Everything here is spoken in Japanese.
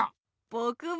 ぼくも。